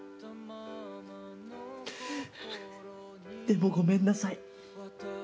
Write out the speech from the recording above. でもでも、ごめんなさい。